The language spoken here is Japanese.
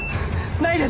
ないです！